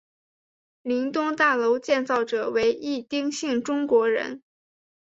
林东大楼建造者为一丁姓中国人。